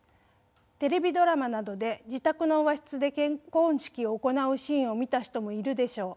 テレビドラマなどで自宅の和室で結婚式を行うシーンを見た人もいるでしょう。